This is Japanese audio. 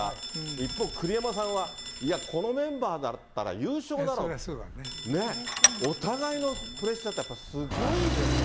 一方、栗山さんは、いや、このメンバーだったら優勝だろう、お互いのプレッシャーって、やっぱりすごいですね。